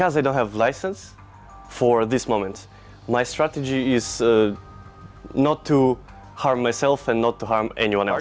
strategi saya adalah tidak menghalangi diri saya dan tidak menghalangi orang lain